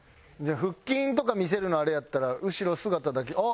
じゃあ腹筋とか見せるのあれやったら後ろ姿だけ。